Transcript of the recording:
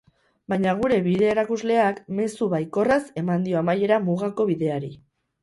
Baina gure bide-erakusleak mezu baikorraz eman dio amaiera Mugako Bideari.